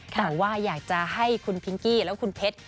แต่ว่าอยากจะให้คุณพิงกี้และคุณเพชร